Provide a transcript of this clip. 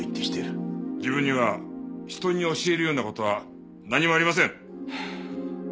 自分には人に教えるような事は何もありません。